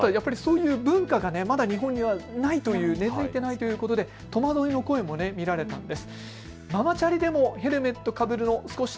そういう文化が日本にはないという、根づいていないという戸惑いの声も見られたんです。